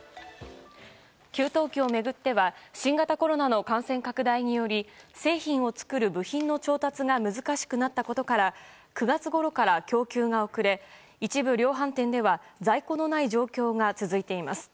給湯器を巡っては新型コロナの感染拡大により製品を作る部品の調達が難しくなったことから９月ごろから供給が遅れ一部量販店では在庫のない状況が続いています。